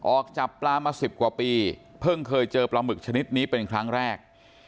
จับปลามา๑๐กว่าปีเพิ่งเคยเจอปลาหมึกชนิดนี้เป็นครั้งแรก